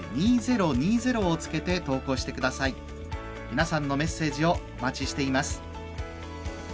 皆さんのメッセージをお待ちしています。